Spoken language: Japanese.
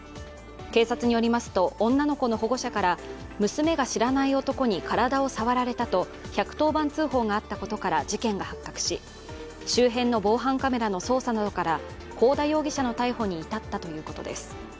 警察によりますと、女の子の保護者から娘が知らない男に体を触られたと１１０番通報があったことから事件が発覚し周辺の防犯カメラの捜査などから幸田容疑者の逮捕に至ったということです。